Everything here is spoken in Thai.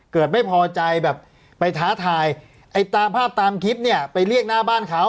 เกิดไม่พอใจแบบไปท้าทายไอ้ตามภาพตามคลิปเนี่ยไปเรียกหน้าบ้านเขา